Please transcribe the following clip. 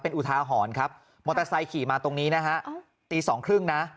อุทาหรณ์ครับมอเตอร์ไซค์ขี่มาตรงนี้นะฮะตีสองครึ่งนะ